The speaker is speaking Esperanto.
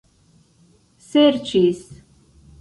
serĉis